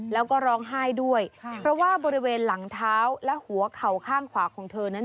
แล้วก็ร้องไห้ด้วยเพราะว่าบริเวณหลังเท้าและหัวเข่าข้างขวาของเธอนั้น